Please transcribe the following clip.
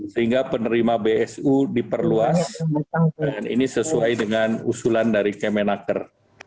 sehingga penerima bsu diperluas dan ini sesuai dengan usulan dari kemenaker